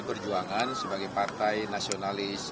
perjuangan sebagai partai nasionalis